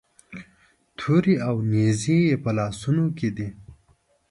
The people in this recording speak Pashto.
تورې او نیزې یې په لاسونو کې دي.